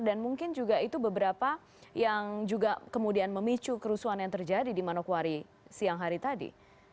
dan mungkin juga itu beberapa yang juga kemudian memicu kerusuhan yang terjadi di manokwari siang hari tadi